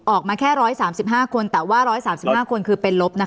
ออกมาแค่๑๓๕คนแต่ว่า๑๓๕คนคือเป็นลบ